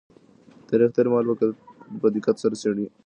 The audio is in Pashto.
تاريخ تېر مهال په دقت سره څېړي.